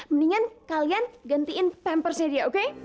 mendingan kalian gantiin pampersnya dia oke